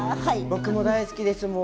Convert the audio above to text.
僕も大好きです